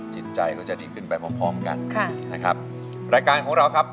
จิตใจก็จะดีขึ้นไปพร้อมพร้อมกันค่ะนะครับรายการของเราครับ